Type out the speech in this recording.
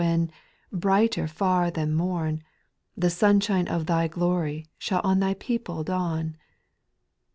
When, brighter far than mom, The sunshine of Thy glory Shall on Thy people dawn